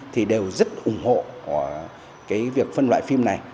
thì đều rất ủng hộ cái việc phân loại phim này